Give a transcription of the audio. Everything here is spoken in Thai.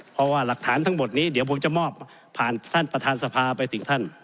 เพราะว่าหลักฐานทั้งหมดนี้เดี๋ยวผมจะมอบผ่านท่านประธานสภาไปถึงท่าน